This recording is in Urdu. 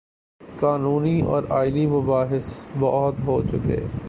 قانونی اور آئینی مباحث بہت ہو چکے۔